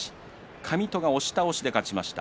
上戸が押し倒しで勝ちました。